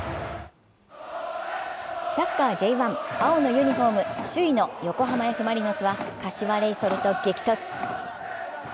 サッカーＪ１、青のユニフォーム、首位の横浜Ｆ・マリノスは柏レイソルと激突。